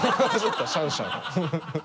シャンシャン